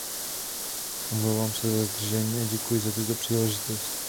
Omlouvám se za zdržení a děkuji za tuto příležitost.